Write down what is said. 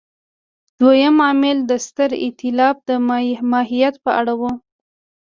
دویم عامل د ستر اېتلاف د ماهیت په اړه و.